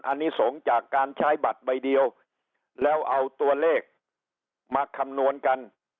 อันนี้สงฆ์จากการใช้บัตรใบเดียวแล้วเอาตัวเลขมาคำนวณกัน